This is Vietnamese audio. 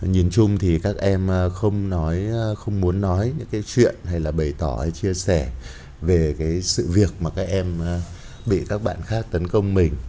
nhìn chung thì các em không muốn nói những cái chuyện hay là bày tỏ hay chia sẻ về cái sự việc mà các em bị các bạn khác tấn công mình